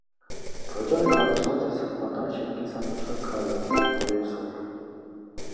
Տաճարը կառուցուած է սրբատաշ եւ կիսամշակ քարով, աղիւսով։